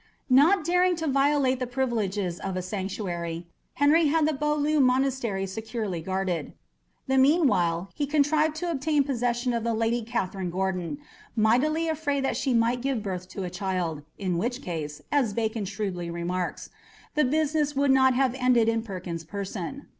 Not daring to violate the privileges of a sanctuary, Henry had the Beaulieu Monastery securely guarded; the meanwhile he contrived to obtain possession of the Lady Catherine Gordon, mightily afraid that she might give birth to a child, in which case, as Bacon shrewdly remarks, "the business would not have ended in Perkin's person."